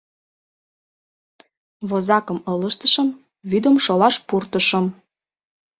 Возакым ылыжтышым, вӱдым шолаш пуртышым.